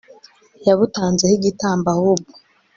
yabutanzeho igitambo ahubwo